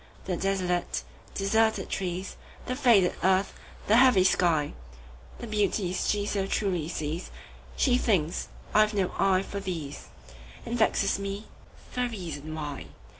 The desolate, deserted trees, The faded earth, the heavy sky, The beauties she so truly sees, She thinks I have no eye for these, And vexes me for reason why.